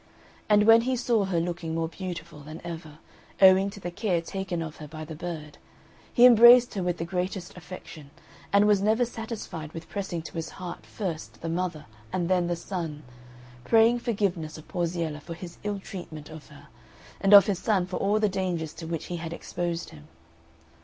And when he saw her looking more beautiful than ever, owing to the care taken of her by the bird, he embraced her with the greatest affection, and was never satisfied with pressing to his heart first the mother and then the son, praying forgiveness of Porziella for his ill treatment of her, and of his son for all the dangers to which he had exposed him.